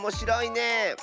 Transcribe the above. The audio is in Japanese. ねえ。